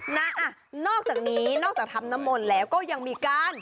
นะอ่ะนอกจากนี้นอกจากทำน้ำมนต์แล้วก็ยังมีการ